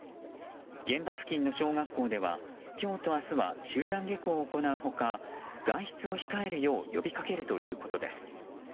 現場付近の小学校では今日と明日は集団下校を行う他外出を控えるよう呼びかけるということです。